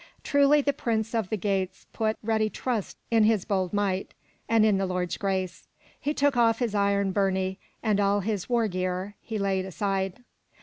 Truly the Prince of the Geats put ready trust in his bold might and in the Lord's grace. He took off his iron burnie and all his war gear he laid aside.